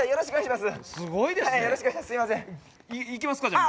いきますかじゃあ。